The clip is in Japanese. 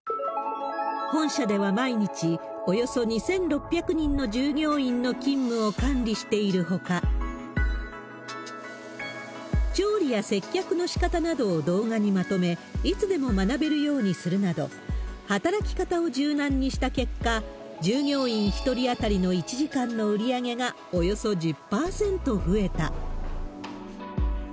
本社では毎日、およそ２６００人の従業員の勤務を管理しているほか、調理や接客のしかたなどを動画にまとめ、いつでも学べるようにするなど、働き方を柔軟にした結果、従業員１人当たりの１時間の売り上げがおよそ１０％増えた。